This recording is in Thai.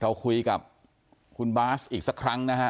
เราคุยกับคุณบาสอีกสักครั้งนะฮะ